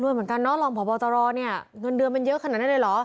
เหมือนกันเนาะรองพบตรเนี่ยเงินเดือนมันเยอะขนาดนั้นเลยเหรอ